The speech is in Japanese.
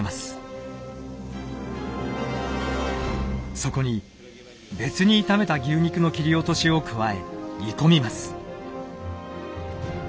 そこに別に炒めた牛肉の切り落としを加え煮込みます。